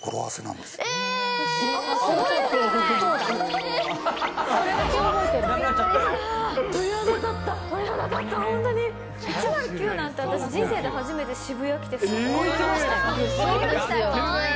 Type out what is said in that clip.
１０９なんて私、人生で初めて渋谷来て、ソッコー行きましたよ。